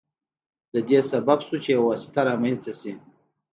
د دې سبب شو چې یو واسطه رامنځته شي.